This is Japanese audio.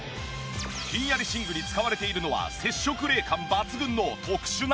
ひんやり寝具に使われているのは接触冷感抜群の特殊な繊維。